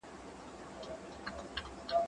زه پرون مينه څرګندوم وم؟!